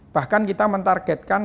bahkan kita mentargetkan